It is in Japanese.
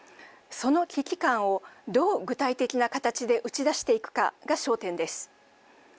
その危機感を、どう具体的な形で打ち出していくかが焦点です。